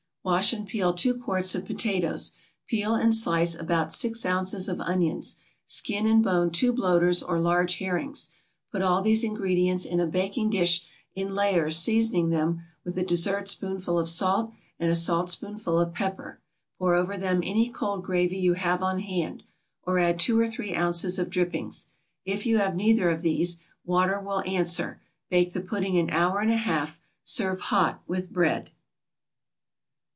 = Wash and peel two quarts of potatoes; peel and slice about six ounces of onions; skin and bone two bloaters or large herrings; put all these ingredients in a baking dish in layers seasoning them with a dessertspoonful of salt and a saltspoonful of pepper; pour over them any cold gravy you have on hand, or add two or three ounces of drippings; if you have neither of these, water will answer; bake the pudding an hour and a half; serve hot, with bread.